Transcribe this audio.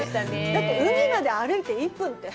だって、海まで歩いて１分って。